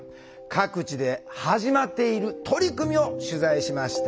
各地で始まっている取り組みを取材しました。